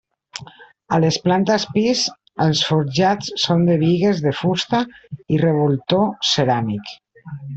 A les plantes pis, els forjats són de bigues de fusta i revoltó ceràmic.